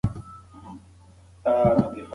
دویني ډول چاپیریال اغېزمنتیا ښيي.